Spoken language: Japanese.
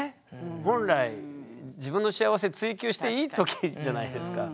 本来自分の幸せ追求していい時じゃないですか。